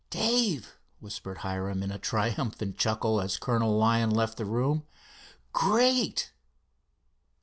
"Dave," whispered Hiram in a triumphant chuckle, as Colonel Lyon left the room. "Great!"